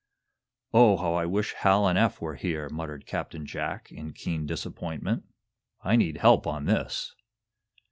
"Oh, how I wish Hal and Eph were here!" muttered Captain Jack, in keen disappointment. "I need help on this!"